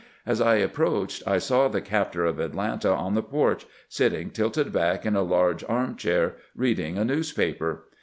As I approached I saw the captor of Atlanta on the porch, sitting tilted back in a large arm chair, reading a news paper.